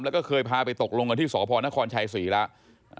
แล้วก็เคยพาไปตกลงกันที่สพนครชัยศรีแล้ว